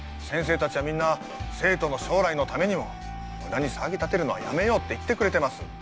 達はみんな生徒の将来のためにもムダに騒ぎたてるのはやめようって言ってくれてます